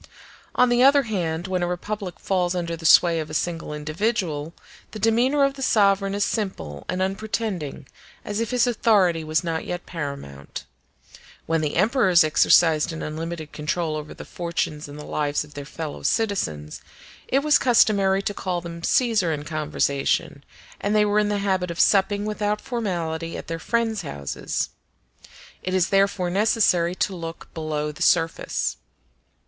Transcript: On the other hand, when a republic falls under the sway of a single individual, the demeanor of the sovereign is simple and unpretending, as if his authority was not yet paramount. When the emperors exercised an unlimited control over the fortunes and the lives of their fellow citizens, it was customary to call them Caesar in conversation, and they were in the habit of supping without formality at their friends' houses. It is therefore necessary to look below the surface.